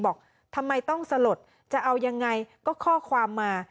บอกทำไมต้องสลดจะเอายังไงก็ข้อความมา